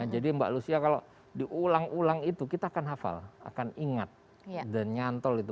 jadi mbak lucia kalau diulang ulang itu kita akan hafal akan ingat dan nyantol itu